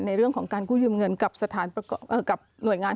ในเรื่องของการกู้ยืมเงินกับสถานกับหน่วยงาน